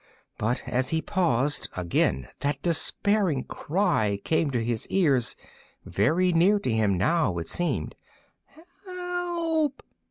But as he paused, again that despairing cry came to his ears, very near to him now, it seemed: "Help!"